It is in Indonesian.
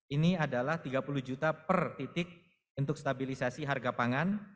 ini adalah tiga puluh juta per titik untuk stabilisasi harga pangan